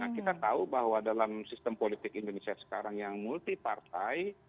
kita tahu bahwa dalam sistem politik indonesia sekarang yang multi partai